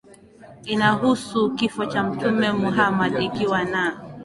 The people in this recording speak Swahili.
inahusu kifo cha Mtume Muhamad ikiwa na